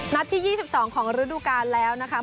ที่๒๒ของฤดูกาลแล้วนะคะ